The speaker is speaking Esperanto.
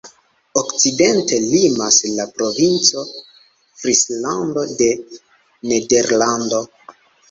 Okcidente limas la Provinco Frislando de Nederlando.